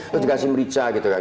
terus dikasih merica gitu kan